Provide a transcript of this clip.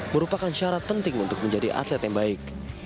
merupakan syarat penting untuk menjadi aset yang baik